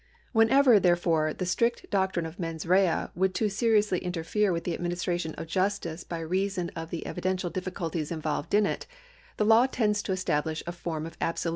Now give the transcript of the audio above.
^ Whenever, therefore, the strict doctrine of 7nens rea would too seriously interfere with the administration of justice by reason of the evidential difficulties involved in it, the law tends to establish a form of absolute liability.